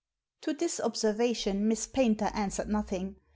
" To this observation Miss Paynter answered nothing.